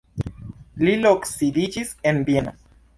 Li loksidiĝis en Vieno.